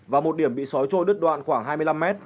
và một điểm bị sói trôi đứt đoạn khoảng hai mươi năm mét